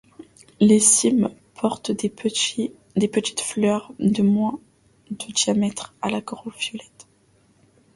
Les cymes portent de petites fleurs de moins de de diamètre à corolle violette.